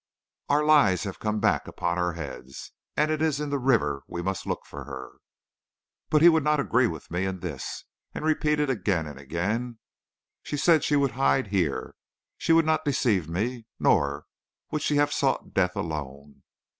'Our lies have come back upon our heads, and it is in the river we must look for her.' "But he would not agree with me in this, and repeated again and again: 'She said she would hide here. She would not deceive me, nor would she have sought death alone.